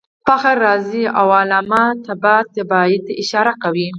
فخر رازي او علامه طباطبايي ته اشاره کوي.